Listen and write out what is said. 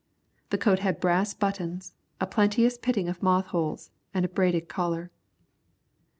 The coat had brass buttons, a plenteous pitting of moth holes, and a braided collar.